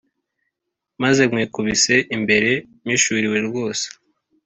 Maze Nkwikubise imbere Mpishurirwe Rwose